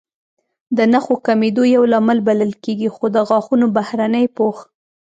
د نښو کمېدو یو لامل بلل کېږي، خو د غاښونو بهرنی پوښ